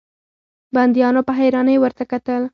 بنديانو په حيرانۍ ورته کتل.